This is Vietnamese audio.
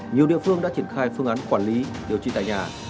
nhiều địa phương đã triển khai phương án quản lý điều trị tại nhà